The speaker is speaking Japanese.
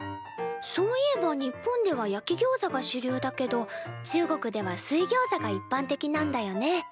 そういえば日本では焼きギョウザが主流だけど中国では水ギョウザがいっぱん的なんだよね。